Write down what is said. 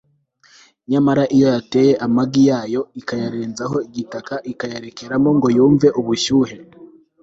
nyamara iyo yateye amagi yayo ikayarenzaho igitaka, ikayarekeramo ngo yumve ubushyuhe